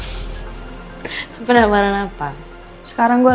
kalau lo penasaran nanti lo akan menjaga